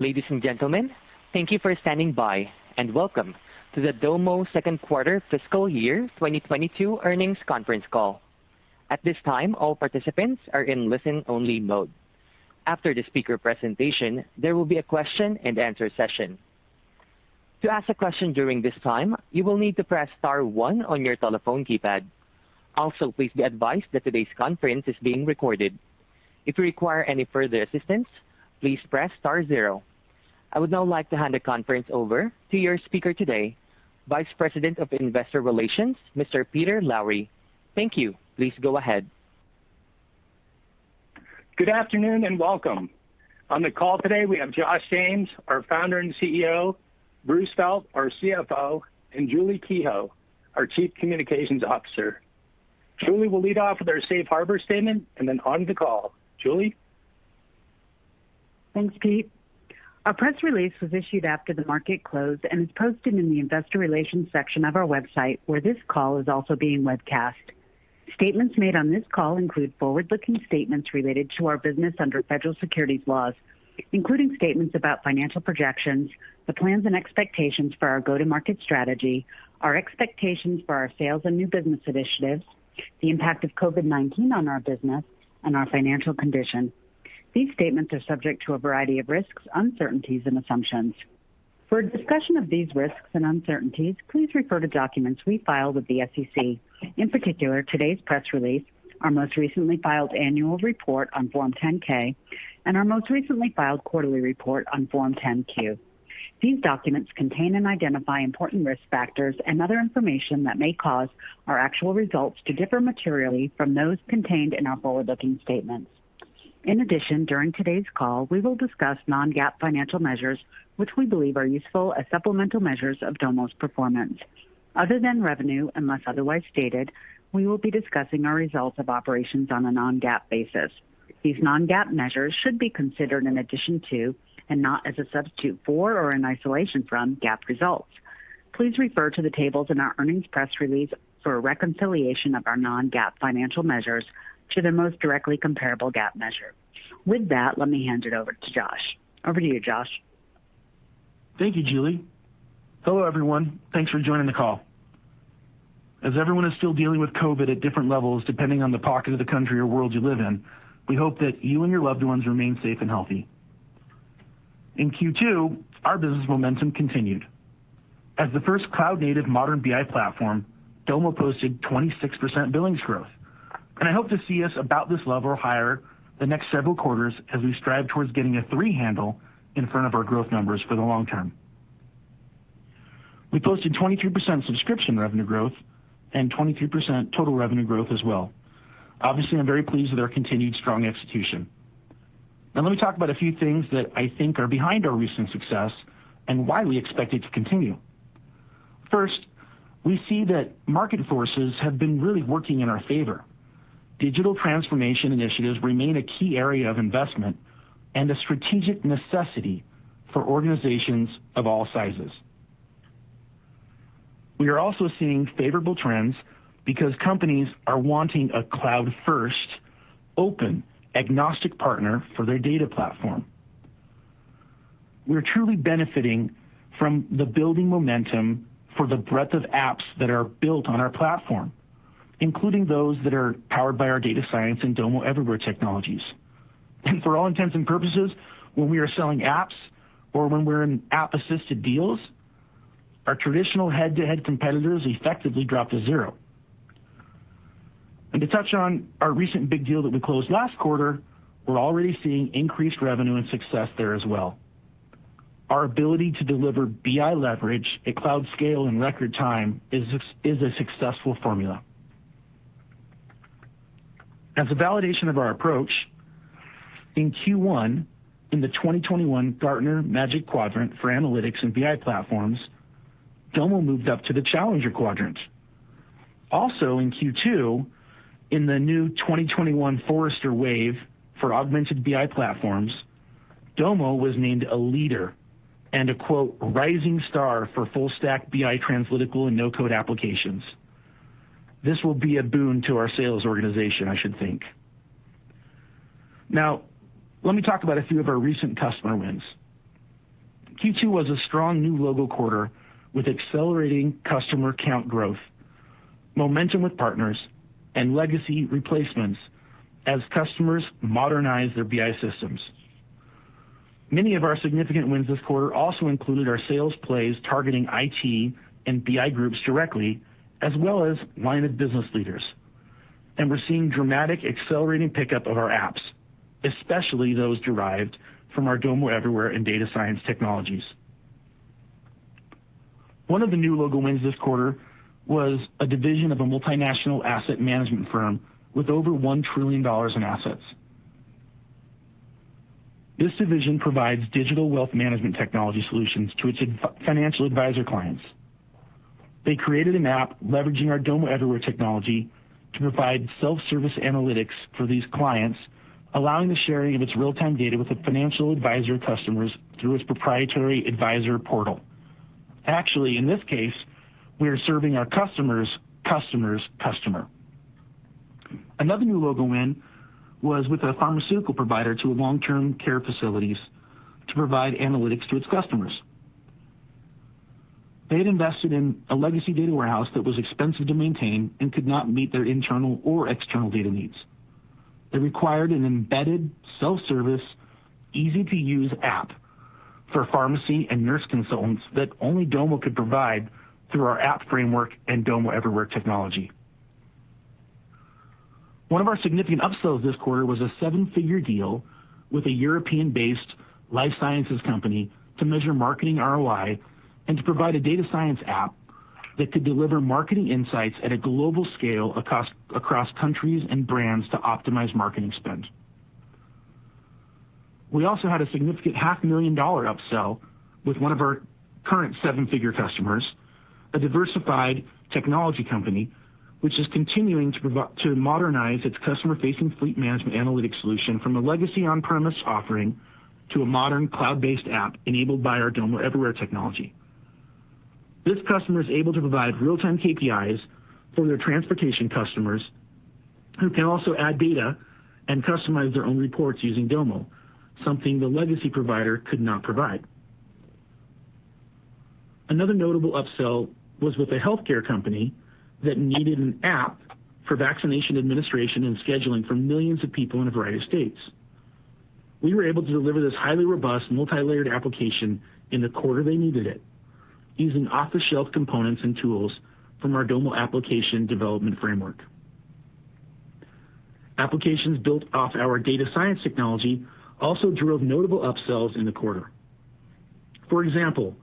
Ladies and gentlemen, thank you for standing by, and welcome to the Domo second quarter fiscal year 2022 earnings conference call. At this time, all participants are in listen-only mode. After the speaker presentation, there will be a question and answer session. To ask a question during this time, you will need to press star one on your telephone keypad. Also, please be advised that today's conference is being recorded. If you require any further assistance, please press star zero. I would now like to hand the conference over to your speaker today, Vice President of Investor Relations, Mr. Peter Lowry. Thank you. Please go ahead. Good afternoon, and welcome. On the call today, we have Josh James, our Founder and CEO, Bruce Felt, our CFO, and Julie Kehoe, our Chief Communications Officer. Julie will lead off with our safe harbor statement, and then on to the call. Julie? Thanks, Pete. A press release was issued after the market closed and is posted in the investor relations section of our website, where this call is also being webcast. Statements made on this call include forward-looking statements related to our business under federal securities laws, including statements about financial projections, the plans and expectations for our go-to-market strategy, our expectations for our sales and new business initiatives, the impact of COVID-19 on our business, and our financial condition. These statements are subject to a variety of risks, uncertainties, and assumptions. For a discussion of these risks and uncertainties, please refer to documents we filed with the SEC, in particular, today's press release, our most recently filed annual report on Form 10-K, and our most recently filed quarterly report on Form 10-Q. These documents contain and identify important risk factors and other information that may cause our actual results to differ materially from those contained in our forward-looking statements. In addition, during today's call, we will discuss non-GAAP financial measures, which we believe are useful as supplemental measures of Domo's performance. Other than revenue, unless otherwise stated, we will be discussing our results of operations on a non-GAAP basis. These non-GAAP measures should be considered in addition to, and not as a substitute for or in isolation from, GAAP results. Please refer to the tables in our earnings press release for a reconciliation of our non-GAAP financial measures to the most directly comparable GAAP measure. With that, let me hand it over to Josh. Over to you, Josh. Thank you, Julie. Hello, everyone. Thanks for joining the call. As everyone is still dealing with COVID at different levels depending on the pocket of the country or world you live in, we hope that you and your loved ones remain safe and healthy. In Q2, our business momentum continued. As the first cloud-native modern BI platform, Domo posted 26% billings growth, and I hope to see us about this level or higher the next several quarters as we strive towards getting a three handle in front of our growth numbers for the long term. We posted 23% subscription revenue growth and 23% total revenue growth as well. Obviously, I am very pleased with our continued strong execution. Now let me talk about a few things that I think are behind our recent success and why we expect it to continue. First, we see that market forces have been really working in our favor. Digital transformation initiatives remain a key area of investment and a strategic necessity for organizations of all sizes. We are also seeing favorable trends because companies are wanting a cloud-first, open, agnostic partner for their data platform. We are truly benefiting from the building momentum for the breadth of apps that are built on our platform, including those that are powered by our data science and Domo Everywhere technologies. For all intents and purposes, when we are selling apps or when we're in app-assisted deals, our traditional head-to-head competitors effectively drop to zero. To touch on our recent big deal that we closed last quarter, we're already seeing increased revenue and success there as well. Our ability to deliver BI leverage at cloud scale in record time is a successful formula. As a validation of our approach, in Q1 in the 2021 Gartner Magic Quadrant for analytics and BI platforms, Domo moved up to the challenger quadrant. In Q2, in the new 2021 Forrester Wave for augmented BI platforms, Domo was named a leader and a, quote, "rising star for full-stack BI, translytical, and no-code applications." This will be a boon to our sales organization, I should think. Now, let me talk about a few of our recent customer wins. Q2 was a strong new logo quarter with accelerating customer count growth, momentum with partners, and legacy replacements as customers modernize their BI systems. Many of our significant wins this quarter also included our sales plays targeting IT and BI groups directly as well as line of business leaders. We're seeing dramatic accelerating pickup of our apps, especially those derived from our Domo Everywhere and data science technologies. One of the new logo wins this quarter was a division of a multinational asset management firm with over $1 trillion in assets. This division provides digital wealth management technology solutions to its financial advisor clients. They created an app leveraging our Domo Everywhere technology to provide self-service analytics for these clients, allowing the sharing of its real-time data with the financial advisor customers through its proprietary advisor portal. Actually, in this case, we are serving our customer's customer's customer. Another new logo win was with a pharmaceutical provider to long-term care facilities to provide analytics to its customers. They had invested in a legacy data warehouse that was expensive to maintain and could not meet their internal or external data needs. They required an embedded, self-service, easy-to-use app for pharmacy and nurse consultants that only Domo could provide through our app framework and Domo Everywhere technology. One of our significant upsells this quarter was a seven-figure deal with a European-based life sciences company to measure marketing ROI and to provide a data science app that could deliver marketing insights at a global scale across countries and brands to optimize marketing spend. We also had a significant half-million-dollar upsell with one of our current seven-figure customers, a diversified technology company, which is continuing to modernize its customer-facing fleet management analytics solution from a legacy on-premise offering to a modern cloud-based app enabled by our Domo Everywhere technology. This customer is able to provide real-time KPIs for their transportation customers who can also add data and customize their own reports using Domo, something the legacy provider could not provide. Another notable upsell was with a healthcare company that needed an app for vaccination administration and scheduling for millions of people in a variety of states. We were able to deliver this highly robust, multilayered application in the quarter they needed it using off-the-shelf components and tools from our Domo application development framework. Applications built off our data science technology also drove notable upsells in the quarter. For example,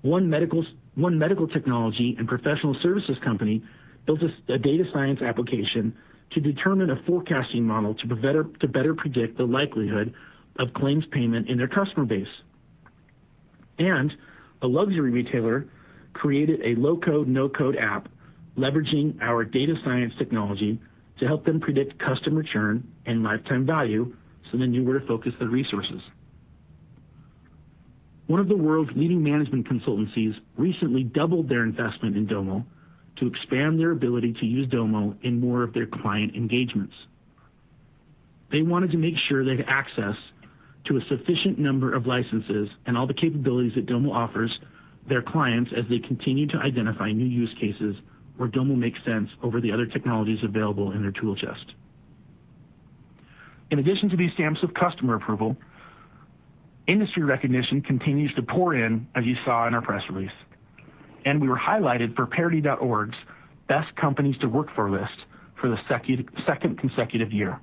one medical technology and professional services company built a data science application to determine a forecasting model to better predict the likelihood of claims payment in their customer base. A luxury retailer created a low-code, no-code app leveraging our data science technology to help them predict customer churn and lifetime value so they knew where to focus their resources. One of the world's leading management consultancies recently doubled their investment in Domo to expand their ability to use Domo in more of their client engagements. They wanted to make sure they had access to a sufficient number of licenses and all the capabilities that Domo offers their clients as they continue to identify new use cases where Domo makes sense over the other technologies available in their tool chest. In addition to these stamps of customer approval, industry recognition continues to pour in, as you saw in our press release. We were highlighted for Parity.Org's Best Companies to Work For list for the second consecutive year.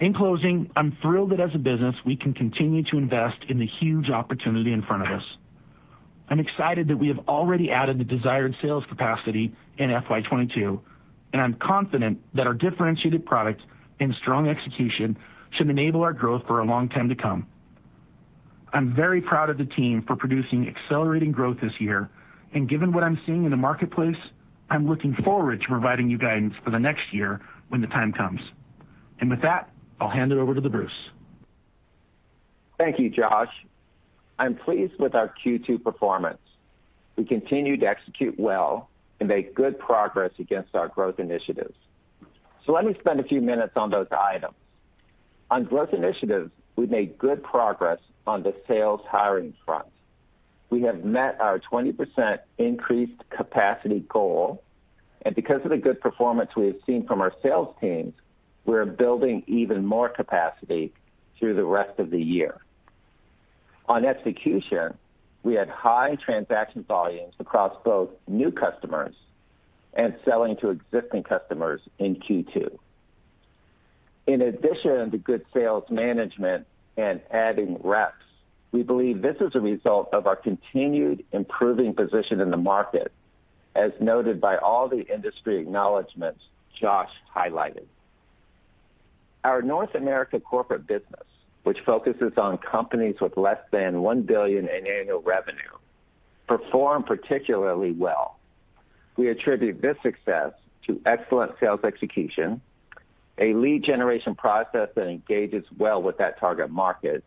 In closing, I'm thrilled that as a business, we can continue to invest in the huge opportunity in front of us. I'm excited that we have already added the desired sales capacity in FY 2022, and I'm confident that our differentiated product and strong execution should enable our growth for a long time to come. I'm very proud of the team for producing accelerating growth this year, and given what I'm seeing in the marketplace, I'm looking forward to providing you guidance for the next year when the time comes. With that, I'll hand it over to the Bruce. Thank you, Josh. I'm pleased with our Q2 performance. We continue to execute well and make good progress against our growth initiatives. Let me spend a few minutes on those items. On growth initiatives, we made good progress on the sales hiring front. We have met our 20% increased capacity goal, and because of the good performance we have seen from our sales teams, we're building even more capacity through the rest of the year. On execution, we had high transaction volumes across both new customers and selling to existing customers in Q2. In addition to good sales management and adding reps, we believe this is a result of our continued improving position in the market, as noted by all the industry acknowledgments Josh highlighted. Our North America corporate business, which focuses on companies with less than $1 billion in annual revenue, performed particularly well. We attribute this success to excellent sales execution, a lead generation process that engages well with that target market,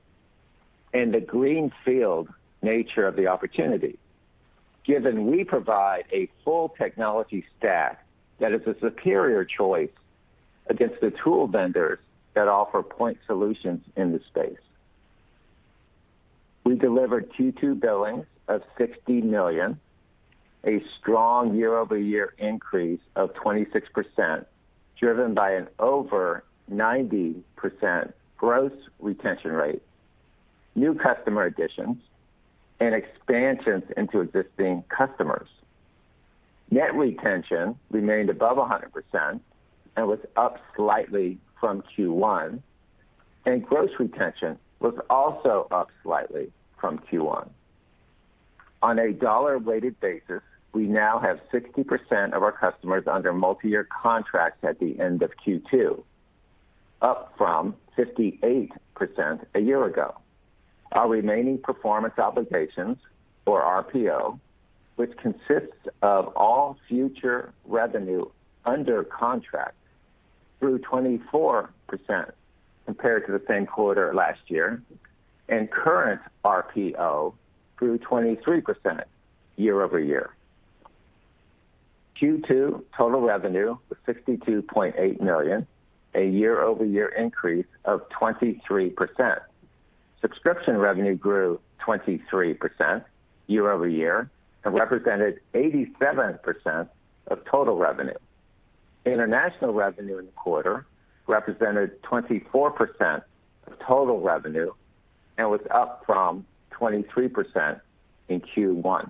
and the green field nature of the opportunity, given we provide a full technology stack that is a superior choice against the tool vendors that offer point solutions in this space. We delivered Q2 billings of $60 million, a strong year-over-year increase of 26%, driven by an over 90% gross retention rate, new customer additions, and expansions into existing customers. Net retention remained above 100% and was up slightly from Q1, and gross retention was also up slightly from Q1. On a dollar-weighted basis, we now have 60% of our customers under multi-year contracts at the end of Q2, up from 58% a year ago. Our remaining performance obligations, or RPO, which consists of all future revenue under contract, grew 24% compared to the same quarter last year, and current RPO grew 23% year-over-year. Q2 total revenue was $62.8 million, a year-over-year increase of 23%. Subscription revenue grew 23% year-over-year and represented 87% of total revenue. International revenue in the quarter represented 24% of total revenue and was up from 23% in Q1.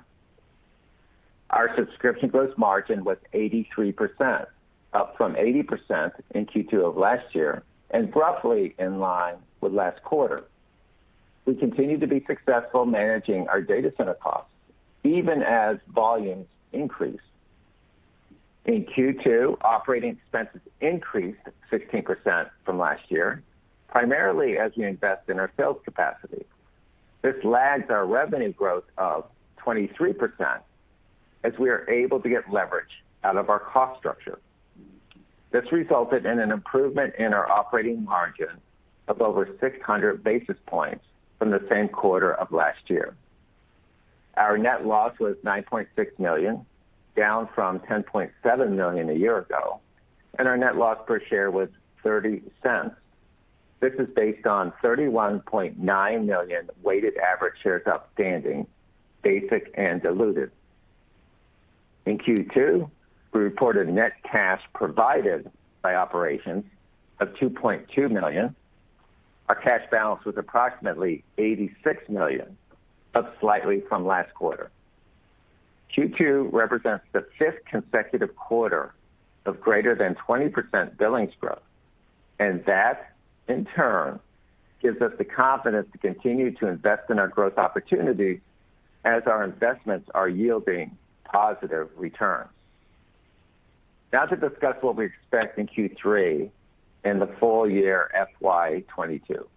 Our subscription gross margin was 83%, up from 80% in Q2 of last year, and roughly in line with last quarter. We continue to be successful managing our data center costs even as volumes increase. In Q2, operating expenses increased 16% from last year, primarily as we invest in our sales capacity. This lags our revenue growth of 23% as we are able to get leverage out of our cost structure. This resulted in an improvement in our operating margin of over 600 basis points from the same quarter of last year. Our net loss was $9.6 million, down from $10.7 million a year ago, and our net loss per share was $0.30. This is based on 31.9 million weighted average shares outstanding, basic and diluted. In Q2, we reported net cash provided by operations of $2.2 million. Our cash balance was approximately $86 million, up slightly from last quarter. Q2 represents the fifth consecutive quarter of greater than 20% billings growth, and that, in turn, gives us the confidence to continue to invest in our growth opportunities as our investments are yielding positive returns. Now to discuss what we expect in Q3 and the full year FY 2022.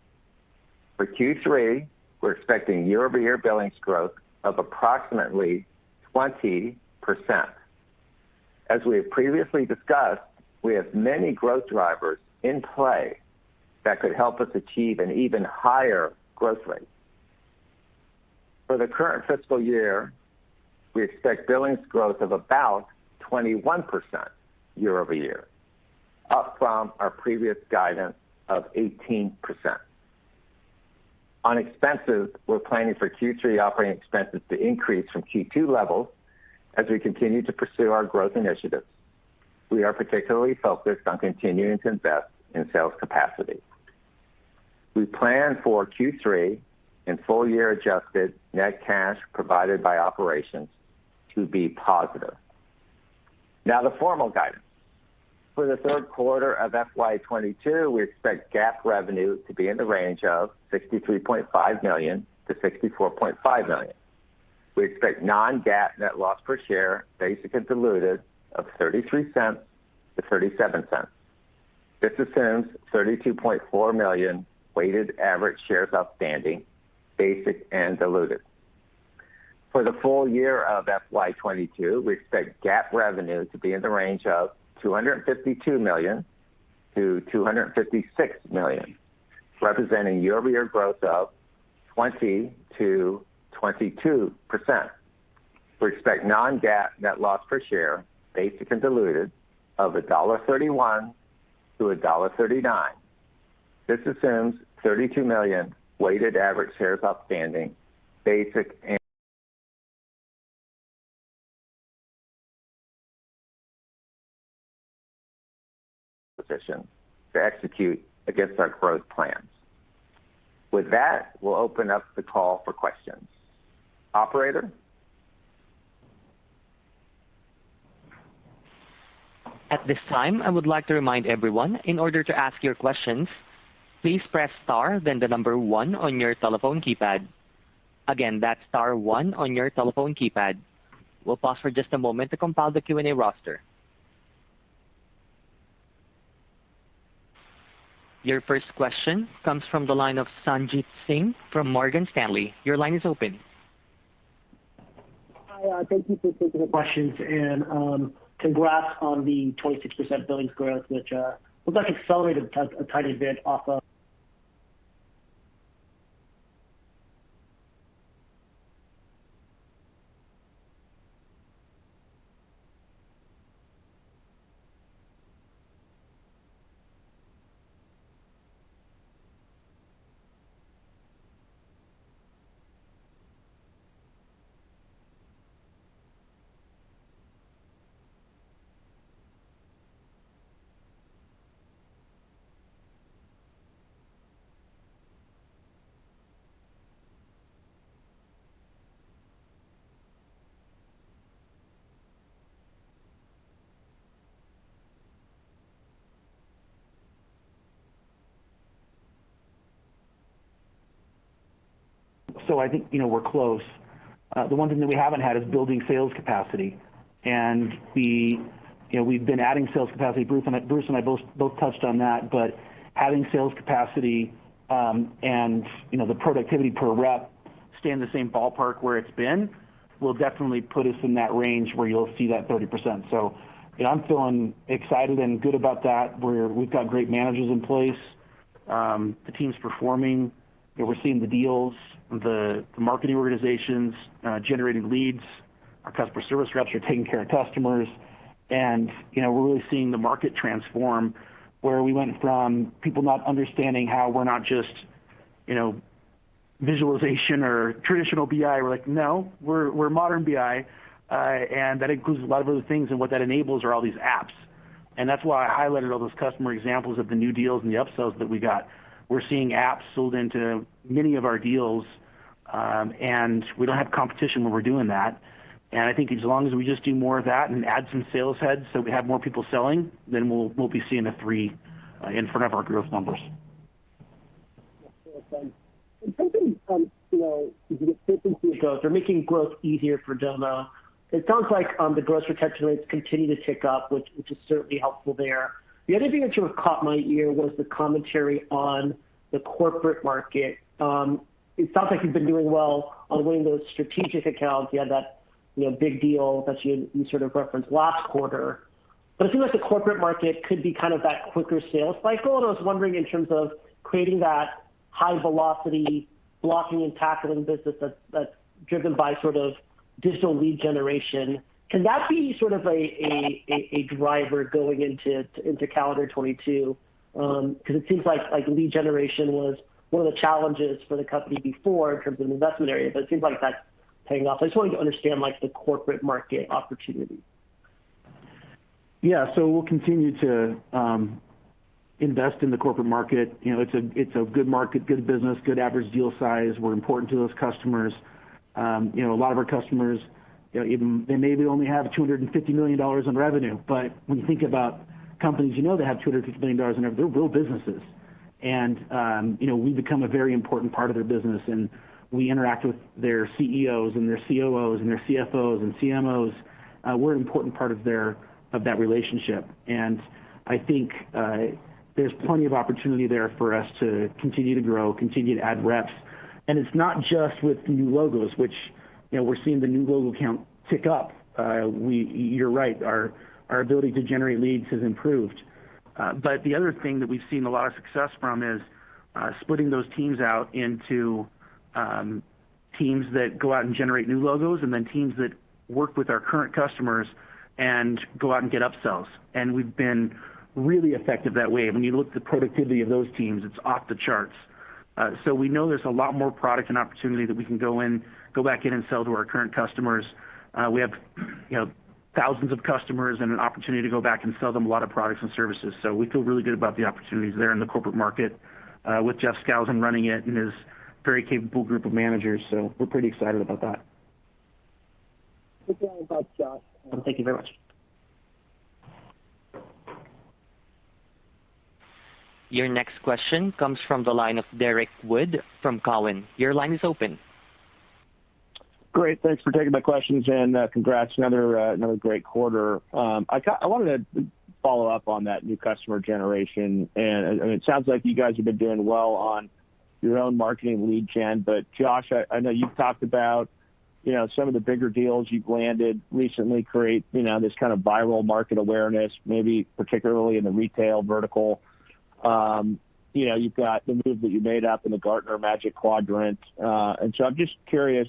For Q3, we're expecting year-over-year billings growth of approximately 20%. As we have previously discussed, we have many growth drivers in play that could help us achieve an even higher growth rate. For the current fiscal year, we expect billings growth of about 21% year-over-year, up from our previous guidance of 18%. On expenses, we're planning for Q3 operating expenses to increase from Q2 levels as we continue to pursue our growth initiatives. We are particularly focused on continuing to invest in sales capacity. We plan for Q3 and full year adjusted net cash provided by operations to be positive. Now the formal guidance. For the third quarter of FY 2022, we expect GAAP revenue to be in the range of $63.5 million-$64.5 million. We expect non-GAAP net loss per share, basic and diluted, of $0.33-$0.37. This assumes 32.4 million weighted average shares outstanding, basic and diluted. For the full year of FY 2022, we expect GAAP revenue to be in the range of $252 million-$256 million, representing year-over-year growth of 20%-22%. We expect non-GAAP net loss per share, basic and diluted, of $1.31-$1.39. This assumes 32 million weighted average shares outstanding, position to execute against our growth plans. With that, we'll open up the call for questions. Operator? Your first question comes from the line of Sanjit Singh from Morgan Stanley. Your line is open. Hi, thank you for taking the questions, and congrats on the 26% billings growth, which looks like accelerated a tiny bit off of I think we're close. The one thing that we haven't had is building sales capacity, and we've been adding sales capacity. Bruce and I both touched on that, but adding sales capacity, and the productivity per rep stay in the same ballpark where it's been will definitely put us in that range where you'll see that 30%. I'm feeling excited and good about that, where we've got great managers in place. The team's performing. We're seeing the deals, the marketing organizations generating leads. Our customer service reps are taking care of customers. We're really seeing the market transform, where we went from people not understanding how we're not just visualization or traditional BI. We're like, "No, we're modern BI," and that includes a lot of other things, and what that enables are all these apps. That's why I highlighted all those customer examples of the new deals and the upsells that we got. We're seeing apps sold into many of our deals, and we don't have competition where we're doing that. I think as long as we just do more of that and add some sales heads so we have more people selling, then we'll be seeing a three in front of our growth numbers. Yeah. Thanks. In terms of the simplicity of growth or making growth easier for Domo, it sounds like the gross retention rates continue to tick up, which is certainly helpful there. The other thing that sort of caught my ear was the commentary on the corporate market. It sounds like you've been doing well on winning those strategic accounts. You had that big deal that you sort of referenced last quarter. It seems like the corporate market could be kind of that quicker sales cycle, and I was wondering in terms of creating that high velocity, blocking and tackling business that's driven by sort of digital lead generation, can that be sort of a driver going into calendar 2022? It seems like lead generation was one of the challenges for the company before in terms of investment areas. It seems like that's paying off. I just wanted to understand the corporate market opportunity. Yeah. We'll continue to invest in the corporate market. It's a good market, good business, good average deal size. We're important to those customers. A lot of our customers, they maybe only have $250 million in revenue, but when you think about companies you know that have $250 million in revenue, they're real businesses. We've become a very important part of their business, and we interact with their CEOs and their COOs and their CFOs and CMOs. We're an important part of that relationship, and I think there's plenty of opportunity there for us to continue to grow, continue to add reps. It's not just with the new logos, which we're seeing the new logo count tick up. You're right, our ability to generate leads has improved. The other thing that we've seen a lot of success from is splitting those teams out into teams that go out and generate new logos, and then teams that work with our current customers and go out and get upsells. We've been really effective that way. When you look at the productivity of those teams, it's off the charts. We know there's a lot more product and opportunity that we can go back in and sell to our current customers. We have thousands of customers and an opportunity to go back and sell them a lot of products and services. We feel really good about the opportunities there in the corporate market, with Jeff Skousen running it and his very capable group of managers. We're pretty excited about that. Great. Thanks a lot, Josh. Thank you very much. Your next question comes from the line of Derrick Wood from Cowen. Your line is open. Great. Thanks for taking my questions, and congrats. Another great quarter. I wanted to follow up on that new customer generation. It sounds like you guys have been doing well on your own marketing lead gen, but Josh, I know you've talked about some of the bigger deals you've landed recently create this kind of viral market awareness, maybe particularly in the retail vertical. You've got the move that you made up in the Gartner Magic Quadrant. I'm just curious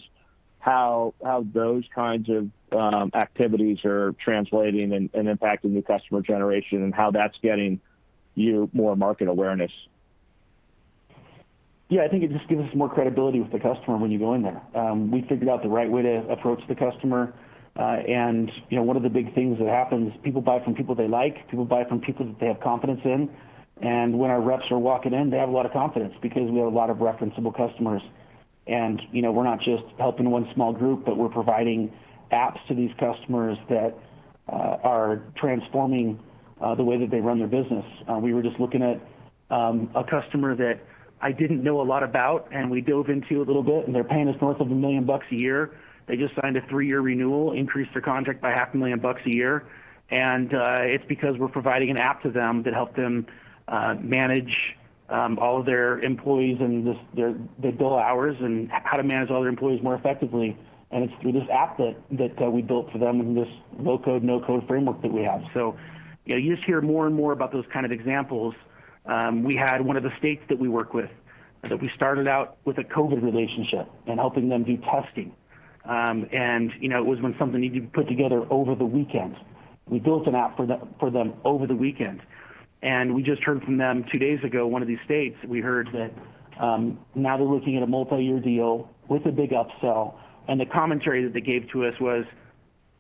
how those kinds of activities are translating and impacting new customer generation and how that's getting you more market awareness. I think it just gives us more credibility with the customer when you go in there. We figured out the right way to approach the customer. One of the big things that happens, people buy from people they like. People buy from people that they have confidence in. When our reps are walking in, they have a lot of confidence because we have a lot of referenceable customers, and we're not just helping one small group, but we're providing apps to these customers that are transforming the way that they run their business. We were just looking at a customer that I didn't know a lot about, and we dove into a little bit, and they're paying us north of $1 million a year. They just signed a three-year renewal, increased their contract by $500,000 a year. It's because we're providing an app to them that helped them manage all of their employees and just their bill hours and how to manage all their employees more effectively. It's through this app that we built for them in this low-code, no-code framework that we have. You just hear more and more about those kind of examples. We had one of the states that we work with that we started out with a COVID relationship and helping them do testing. It was when something needed to be put together over the weekend. We built an app for them over the weekend. We just heard from them two days ago, one of these states, we heard that now they're looking at a multiyear deal with a big upsell, and the commentary that they gave to us was,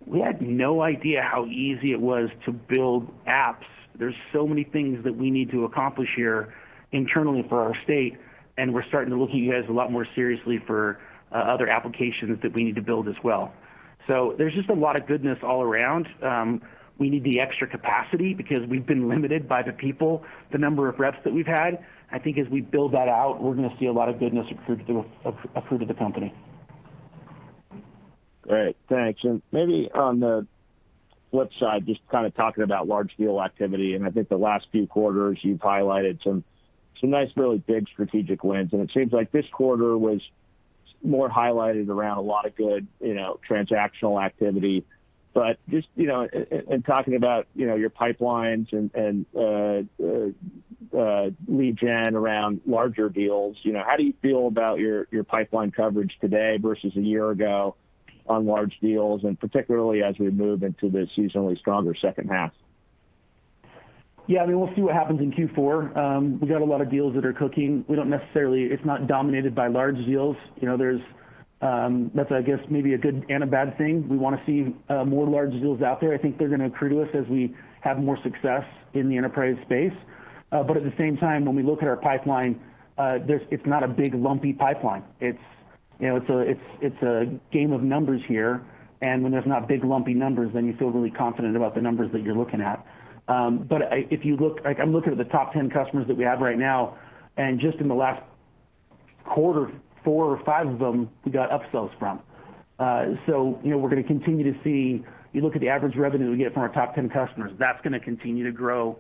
"We had no idea how easy it was to build apps. There's so many things that we need to accomplish here internally for our state, and we're starting to look at you guys a lot more seriously for other applications that we need to build as well." There's just a lot of goodness all around. We need the extra capacity because we've been limited by the people, the number of reps that we've had. I think as we build that out, we're going to see a lot of goodness accrued to the company. Great. Thanks. Maybe on the flip side, just kind of talking about large deal activity, I think the last few quarters you've highlighted some nice, really big strategic wins. It seems like this quarter was more highlighted around a lot of good transactional activity. Just, in talking about your pipelines and lead gen around larger deals, how do you feel about your pipeline coverage today versus a year ago on large deals, particularly as we move into the seasonally stronger second half? Yeah, we'll see what happens in Q4. We've got a lot of deals that are cooking. It's not dominated by large deals. That's, I guess, maybe a good and a bad thing. We want to see more large deals out there. I think they're going to accrue to us as we have more success in the enterprise space. At the same time, when we look at our pipeline, it's not a big lumpy pipeline. It's a game of numbers here, and when there's not big lumpy numbers, then you feel really confident about the numbers that you're looking at. I'm looking at the top 10 customers that we have right now, and just in the last quarter, four or five of them we got upsells from. We're going to continue to see, you look at the average revenue we get from our top 10 customers, that's going to continue to grow.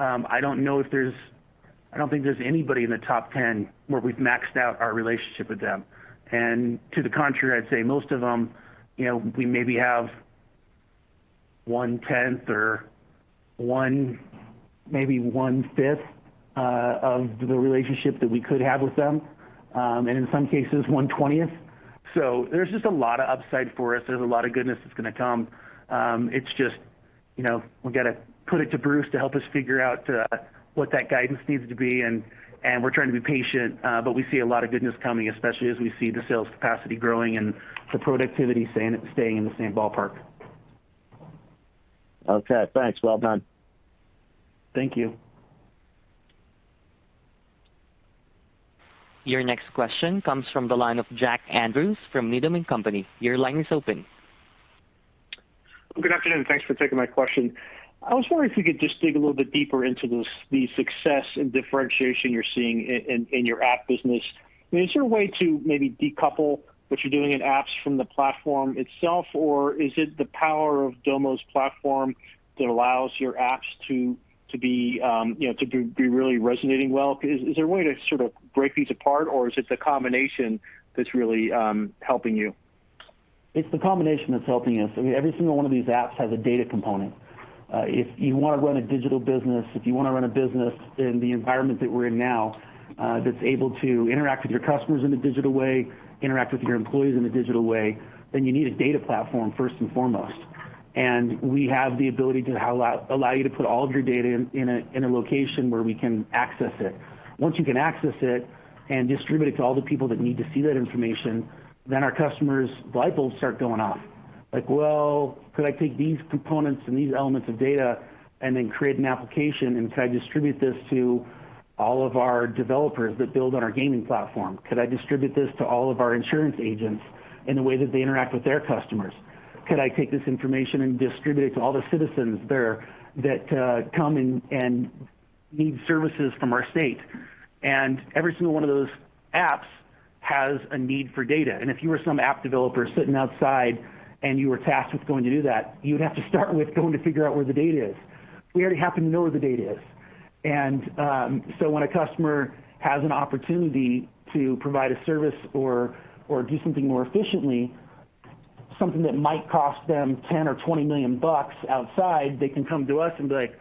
I don't think there's anybody in the top 10 where we've maxed out our relationship with them. To the contrary, I'd say most of them, we maybe have 1/10 or maybe 1/5 of the relationship that we could have with them, and in some cases 1/20. There's just a lot of upside for us. There's a lot of goodness that's going to come. It's just, we've got to put it to Bruce to help us figure out what that guidance needs to be, and we're trying to be patient. We see a lot of goodness coming, especially as we see the sales capacity growing and the productivity staying in the same ballpark. Okay, thanks. Well done. Thank you. Your next question comes from the line of Jack Andrews from Needham & Company. Your line is open. Good afternoon. Thanks for taking my question. I was wondering if you could just dig a little bit deeper into the success and differentiation you're seeing in your app business. I mean, is there a way to maybe decouple what you're doing in apps from the platform itself, or is it the power of Domo's platform that allows your apps to be really resonating well? Is there a way to sort of break these apart, or is it the combination that's really helping you? It's the combination that's helping us. I mean, every single one of these apps has a data component. If you want to run a digital business, if you want to run a business in the environment that we're in now, that's able to interact with your customers in a digital way, interact with your employees in a digital way, then you need a data platform first and foremost. We have the ability to allow you to put all of your data in a location where we can access it. Once you can access it and distribute it to all the people that need to see that information, then our customers' light bulbs start going off. Like, "Well, could I take these components and these elements of data and then create an application? Could I distribute this to all of our developers that build on our gaming platform? Could I distribute this to all of our insurance agents in the way that they interact with their customers? Could I take this information and distribute it to all the citizens there that come and need services from our state? Every single one of those apps has a need for data. If you were some app developer sitting outside and you were tasked with going to do that, you would have to start with going to figure out where the data is. We already happen to know where the data is. When a customer has an opportunity to provide a service or do something more efficiently, something that might cost them $10 million or $20 million outside, they can come to us and be like,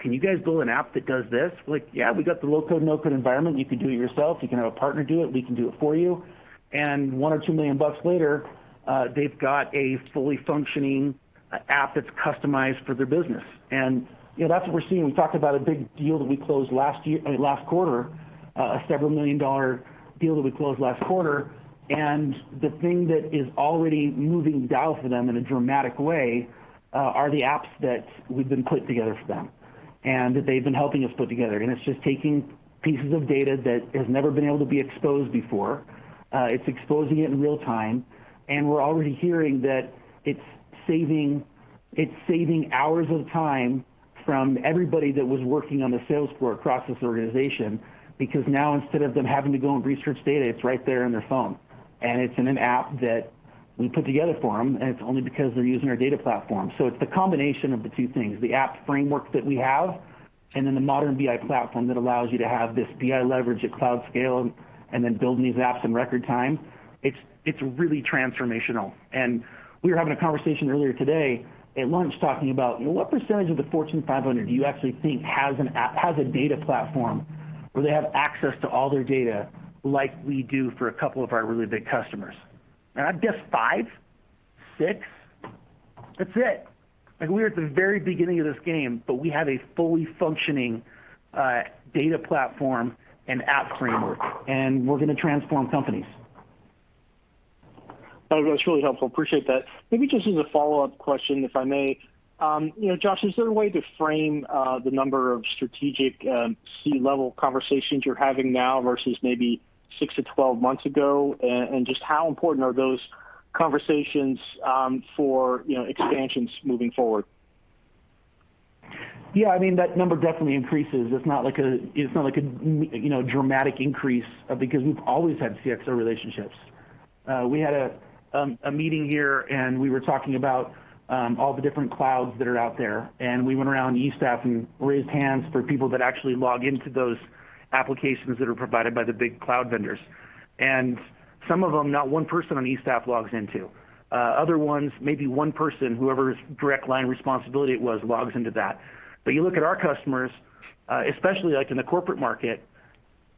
"Can you guys build an app that does this?" We're like, "Yeah, we got the low-code, no-code environment. You can do it yourself. You can have a partner do it. We can do it for you. $1 million or $2 million later, they've got a fully functioning app that's customized for their business. That's what we're seeing. We talked about a big deal that we closed last quarter, a several million-dollar deal that we closed last quarter. The thing that is already moving dial for them in a dramatic way, are the apps that we've been putting together for them. That they've been helping us put together, and it's just taking pieces of data that has never been able to be exposed before. It's exposing it in real time, and we're already hearing that it's saving hours of time from everybody that was working on the sales floor across this organization, because now instead of them having to go and research data, it's right there in their phone. It's in an app that we put together for them, and it's only because they're using our data platform. It's the combination of the two things, the app framework that we have, and then the modern BI platform that allows you to have this BI leverage at cloud scale, and then building these apps in record time. It's really transformational. We were having a conversation earlier today at lunch talking about, what percentage of the Fortune 500 do you actually think has a data platform where they have access to all their data like we do for a couple of our really big customers? I'd guess five, six. That's it. Like we're at the very beginning of this game, but we have a fully functioning data platform and app framework, and we're going to transform companies. That was really helpful. Appreciate that. Maybe just as a follow-up question, if I may. Josh, is there a way to frame the number of strategic C-level conversations you're having now versus maybe six to 12 months ago? Just how important are those conversations for expansions moving forward? Yeah, that number definitely increases. It's not like a dramatic increase, because we've always had CXO relationships. We had a meeting here and we were talking about all the different clouds that are out there. We went around in E-staff and raised hands for people that actually log into those applications that are provided by the big cloud vendors. Some of them, not one person on exec staff logs into. Other ones, maybe one person, whoever's direct line responsibility it was, logs into that. You look at our customers, especially in the corporate market,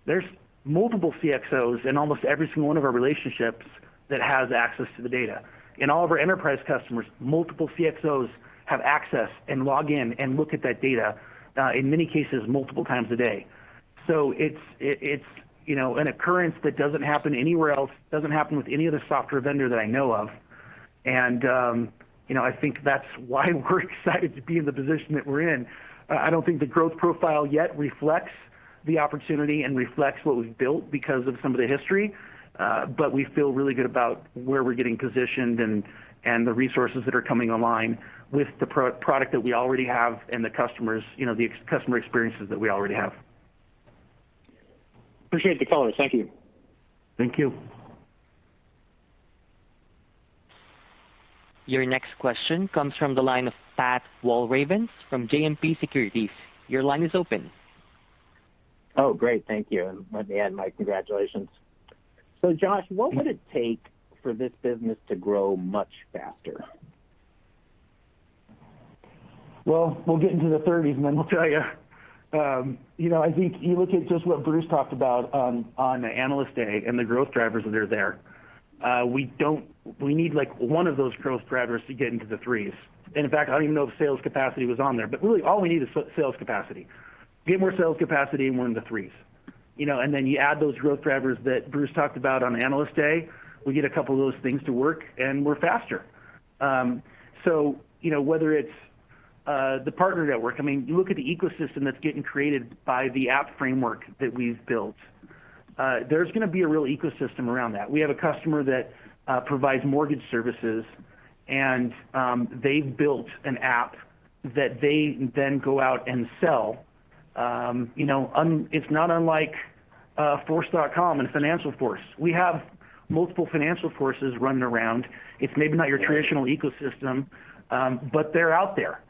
there's multiple CXOs in almost every single one of our relationships that has access to the data. In all of our enterprise customers, multiple CXOs have access and log in and look at that data, in many cases, multiple times a day. It's an occurrence that doesn't happen anywhere else, doesn't happen with any other software vendor that I know of. I think that's why we're excited to be in the position that we're in. I don't think the growth profile yet reflects the opportunity and reflects what we've built because of some of the history. We feel really good about where we're getting positioned and the resources that are coming online with the product that we already have and the customer experiences that we already have. Appreciate the color. Thank you. Thank you. Your next question comes from the line of Pat Walravens from JMP Securities. Your line is open. Oh, great. Thank you, and let me add my congratulations. Josh, what would it take for this business to grow much faster? Well, we'll get into the 30s, then we'll tell you. I think you look at just what Bruce talked about on Analyst Day, the growth drivers that are there. We need one of those growth drivers to get into the threes. In fact, I don't even know if sales capacity was on there. Really, all we need is sales capacity. Get more sales capacity, we're in the threes. Then you add those growth drivers that Bruce Felt talked about on Analyst Day, we get a couple of those things to work, we're faster. Whether it's the partner network, you look at the ecosystem that's getting created by the app framework that we've built. There's going to be a real ecosystem around that. We have a customer that provides mortgage services, they've built an app that they then go out and sell. It's not unlike Force.com and FinancialForce. We have multiple FinancialForces running around. It's maybe not your traditional ecosystem, but they're out there.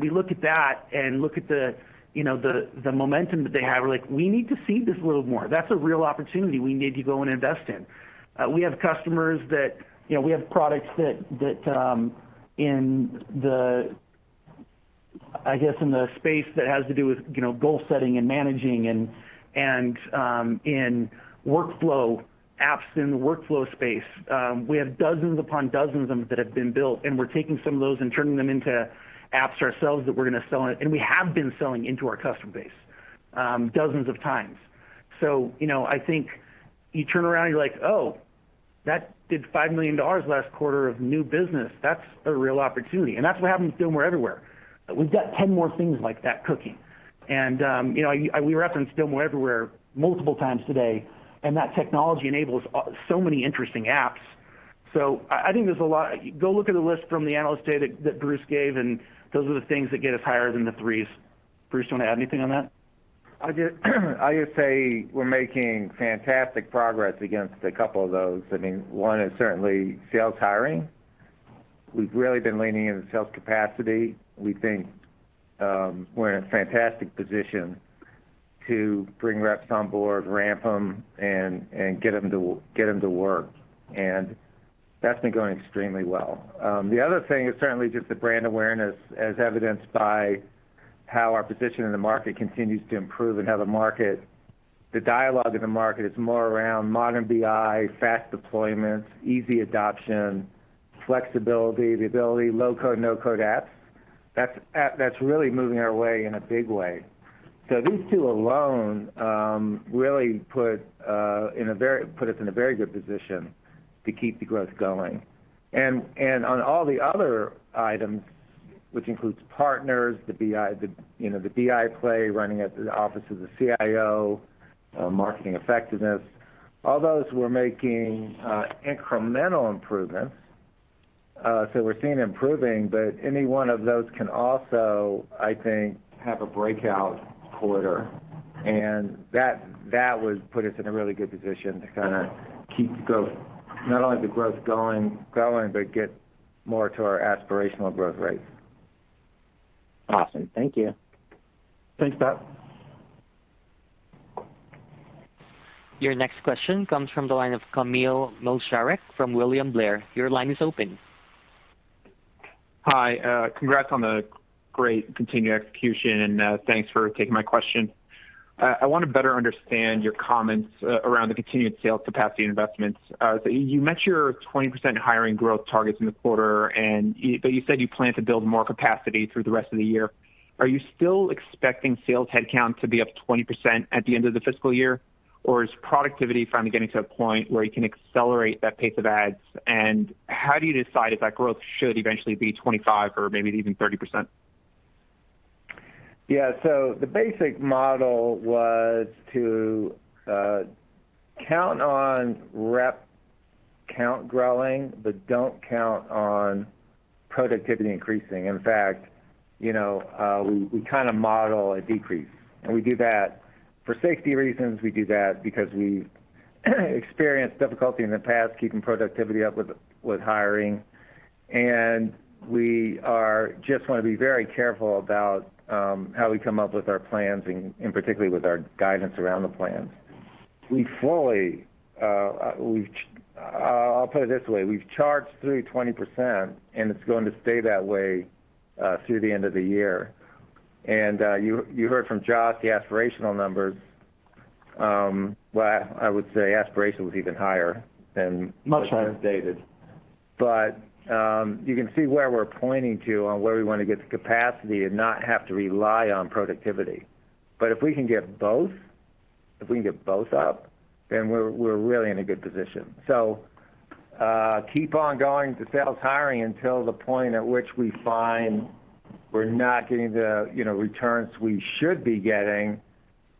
We look at that and look at the momentum that they have. We're like, "We need to seed this a little more. That's a real opportunity we need to go and invest in." We have products that, I guess, in the space that has to do with goal setting and managing, and in workflow apps in the workflow space. We have dozens upon dozens of them that have been built, and we're taking some of those and turning them into apps ourselves that we're going to sell, and we have been selling into our customer base dozens of times. I think you turn around and you're like, "Oh, that did $5 million last quarter of new business. That's a real opportunity. That's what happens with Domo Everywhere. We've got 10 more things like that cooking. We referenced Domo Everywhere multiple times today, and that technology enables so many interesting apps. I think there's a lot. Go look at the list from the Analyst Day that Bruce gave, and those are the things that get us higher than the threes. Bruce, do you want to add anything on that? I just say we're making fantastic progress against a couple of those. One is certainly sales hiring. We've really been leaning into sales capacity. We think we're in a fantastic position to bring reps on board, ramp them, and get them to work. That's been going extremely well. The other thing is certainly just the brand awareness, as evidenced by how our position in the market continues to improve and how the dialogue in the market is more around modern BI, fast deployment, easy adoption, flexibility, the ability of low-code, no-code apps. That's really moving our way in a big way. These two alone really put us in a very good position to keep the growth going. On all the other items, which includes partners, the BI play running at the office of the CIO, marketing effectiveness, all those, we're making incremental improvements. We're seeing improving, but any one of those can also, I think, have a breakout quarter, and that would put us in a really good position to keep the growth, not only the growth going but get more to our aspirational growth rates. Awesome. Thank you. Thanks, Pat. Your next question comes from the line of Kamil Mielczarek from William Blair. Your line is open. Hi. Congrats on the great continued execution, and thanks for taking my question. I want to better understand your comments around the continued sales capacity investments. You met your 20% hiring growth targets in the quarter, but you said you plan to build more capacity through the rest of the year. Are you still expecting sales headcount to be up 20% at the end of the fiscal year, or is productivity finally getting to a point where you can accelerate that pace of adds? How do you decide if that growth should eventually be 25% or maybe even 30%? Yeah. The basic model was to count on rep count growing, but don't count on productivity increasing. In fact, we model a decrease. We do that for safety reasons. We do that because we experienced difficulty in the past keeping productivity up with hiring, and we just want to be very careful about how we come up with our plans, and particularly with our guidance around the plans. I'll put it this way, we've charged through 20%, and it's going to stay that way through the end of the year. You heard from Josh the aspirational numbers. Well, I would say aspirational is even higher. Much higher. than was stated. You can see where we're pointing to on where we want to get the capacity and not have to rely on productivity. If we can get both up, then we're really in a good position. Keep on going with the sales hiring until the point at which we find we're not getting the returns we should be getting,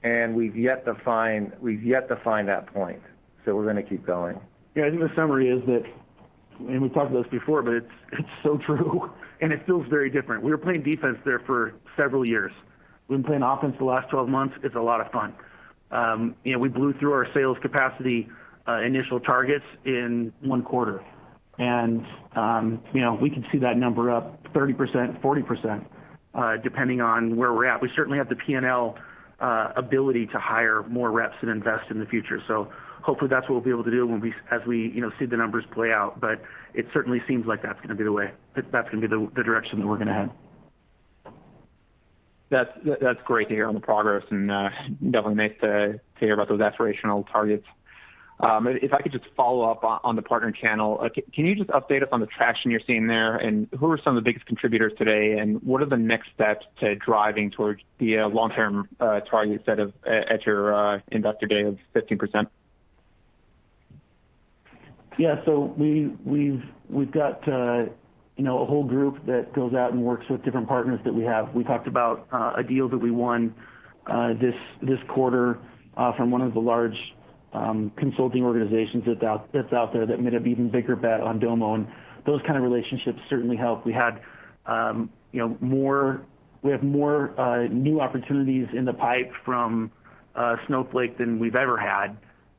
and we've yet to find that point. We're going to keep going. I think the summary is that, and we've talked about this before, but it's so true and it feels very different. We were playing defense there for several years. We've been playing offense the last 12 months. It's a lot of fun. We blew through our sales capacity initial targets in one quarter. We can see that number up 30%, 40%, depending on where we're at. We certainly have the P&L ability to hire more reps and invest in the future. Hopefully that's what we'll be able to do as we see the numbers play out, but it certainly seems like that's going to be the direction that we're going to head. That's great to hear on the progress, and definitely nice to hear about those aspirational targets. If I could just follow up on the partner channel, can you just update us on the traction you're seeing there, and who are some of the biggest contributors today, and what are the next steps to driving towards the long-term target set at your Investor Day of 15%? Yeah. We've got a whole group that goes out and works with different partners that we have. We talked about a deal that we won this quarter from one of the large consulting organizations that's out there that made an even bigger bet on Domo, and those kind of relationships certainly help. We have more new opportunities in the pipe from Snowflake than we've ever had.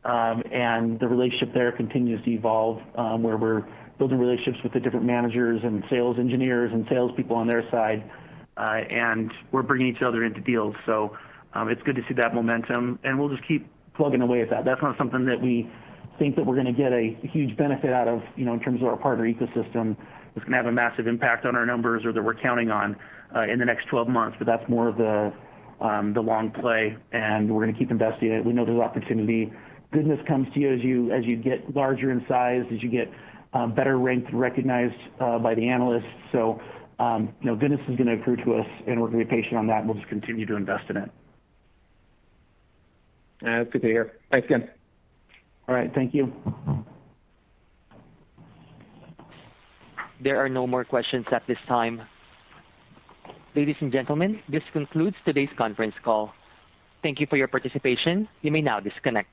The relationship there continues to evolve, where we're building relationships with the different managers and sales engineers and salespeople on their side. We're bringing each other into deals. It's good to see that momentum, and we'll just keep plugging away at that. That's not something that we think that we're going to get a huge benefit out of in terms of our partner ecosystem that's going to have a massive impact on our numbers or that we're counting on in the next 12 months, but that's more of the long play, and we're going to keep investing in it. We know there's opportunity. Goodness comes to you as you get larger in size, as you get better ranked and recognized by the analysts. So goodness is going to accrue to us, and we're going to be patient on that, and we'll just continue to invest in it. That's good to hear. Thanks again. All right. Thank you. There are no more questions at this time. Ladies and gentlemen, this concludes today's conference call. Thank you for your participation. You may now disconnect.